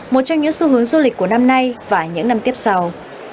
một trong những xu hướng du lịch của năm nay và những năm tiếp sau